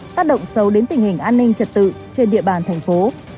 tác động sâu đến tình hình an ninh trật tự trên địa bàn thành phố